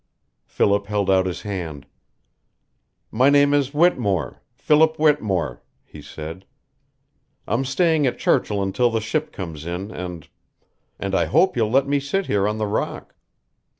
Philip held out his hand. "My name is Whittemore Philip Whittemore," he said. "I'm staying at Churchill until the ship comes in and and I hope you'll let me sit here on the rock."